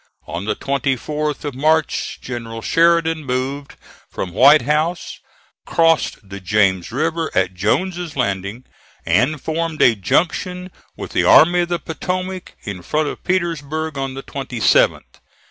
On the 24th of March, General Sheridan moved from White House, crossed the James River at Jones's Landing, and formed a junction with the Army of the Potomac in front of Petersburg on the 27th.